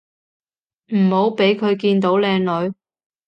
唔好畀佢見到靚女